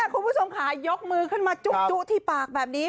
คุณผู้ชมค่ะยกมือขึ้นมาจุที่ปากแบบนี้